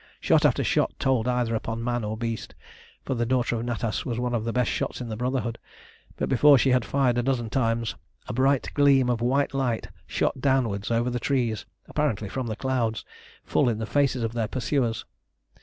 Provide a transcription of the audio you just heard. Shot after shot told either upon man or beast, for the daughter of Natas was one of the best shots in the Brotherhood; but before she had fired a dozen times a bright gleam of white light shot downwards over the trees, apparently from the clouds, full in the faces of their pursuers.